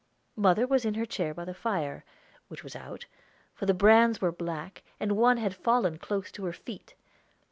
Mother was in her chair by the fire, which was out, for the brands were black, and one had fallen close to her feet.